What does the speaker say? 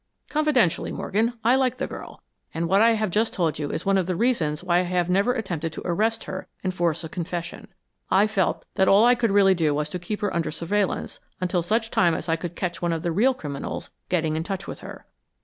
Confidentially, Morgan, I like the girl, and what I have just told you is one of the reasons why I have never attempted to arrest her and force a confession. I felt that all I could really do was to keep her under surveillance until such time as I could catch one of the real criminals getting in touch with her.